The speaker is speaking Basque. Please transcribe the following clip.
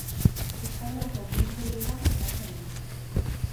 Espainiako Beisbol Ligan jokatzen du.